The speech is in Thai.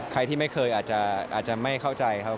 ใครที่ไม่เคยอาจจะไม่เข้าใจครับ